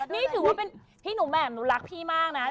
นี่ถือว่าเป็นพี่หนูแหม่มหนูรักพี่มากนะ